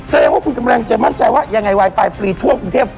แสดงว่าคุณกำลังจะมั่นใจว่ายังไงไวไฟฟรีทั่วกรุงเทพ